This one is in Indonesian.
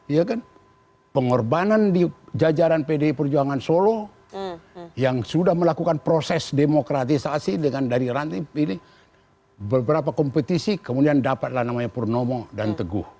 ya kan pengorbanan di jajaran pdi perjuangan solo yang sudah melakukan proses demokratisasi dengan dari ranti pilih beberapa kompetisi kemudian dapatlah namanya purnomo dan teguh